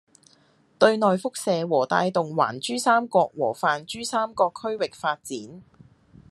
對內輻射和帶動環珠三角和泛珠三角區域發展